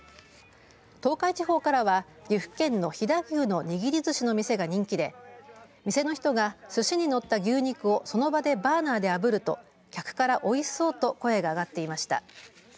東海地方からは岐阜県の飛騨牛のにぎりすしの店が人気で店の人がすしにのった牛肉をその場でバーナーであぶると客から、おいしそうと声が上がっていました。